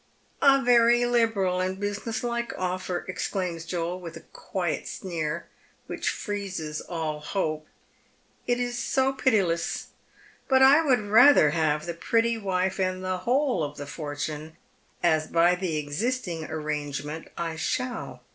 " A very liberal and business like offer," exclaims Joel, with a quiet sneer, which freezes all hope. It is so pitiless !" But I would rather have the pretty wife and the whole of the fortune, aa by the existing arrangement I shall.